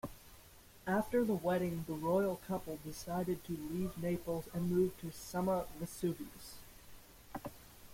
After the wedding the royal couple decided to leave Naples and moved to Somma-Vesuvius.